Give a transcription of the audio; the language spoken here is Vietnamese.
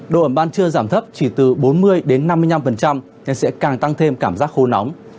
độ ẩm ban trưa giảm thấp chỉ từ bốn mươi năm mươi năm sẽ càng tăng thêm cảm giác khô nóng